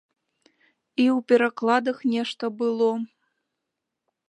І ў перакладах нешта было.